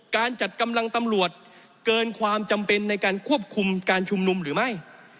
การจัดกำลังตำรวจเกินความจำเป็นในการควบคุมการชุมนุมหรือไม่